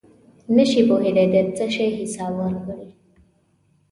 نشی پوهېږي د څه شي حساب ورکړي.